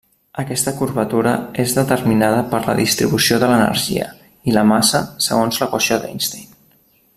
Aquesta curvatura és determinada per la distribució de l'energia, i la massa, segons l'equació d'Einstein.